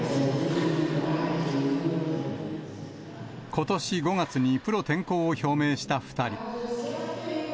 ことし５月にプロ転向を表明した２人。